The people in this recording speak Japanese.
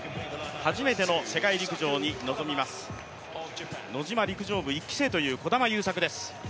初めての世界陸上に臨みます、ノジマ陸上部１期生という児玉悠作です